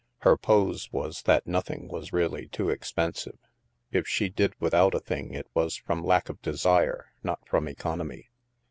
Her pose was that nothing was really too expensive; if she did without a thing it was from lack of desire, not from economy.